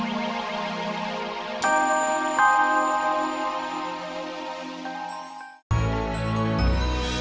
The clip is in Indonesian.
kau sudah mematahkan teori ku